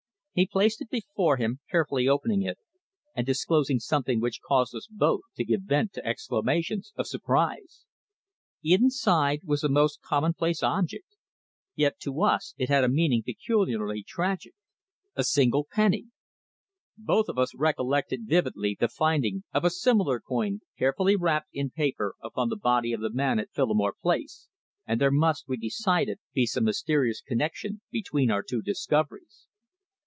He placed it before him, carefully opening it and disclosing something which caused us both to give vent to exclamations of surprise. Inside was a most commonplace object, yet to us it had a meaning peculiarly tragic a single penny. Both of us recollected vividly the finding of a similar coin carefully wrapped in paper upon the body of the man at Phillimore Place, and there must, we decided, be some mysterious connexion between our two discoveries.